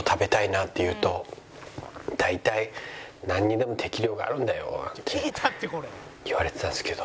大体「なんにでも適量があるんだよ」って言われてたんですけど。